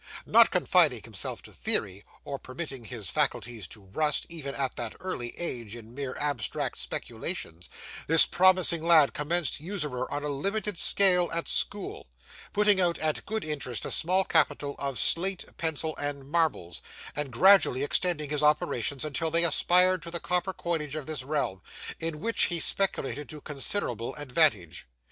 Not confining himself to theory, or permitting his faculties to rust, even at that early age, in mere abstract speculations, this promising lad commenced usurer on a limited scale at school; putting out at good interest a small capital of slate pencil and marbles, and gradually extending his operations until they aspired to the copper coinage of this realm, in which he speculated to considerable advantage.